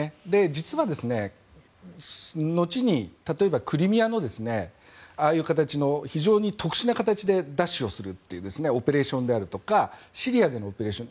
実は、後に例えば、クリミアのああいう形の非常に特殊な形で奪取をするオペレーションであるとかシリアでのオペレーション。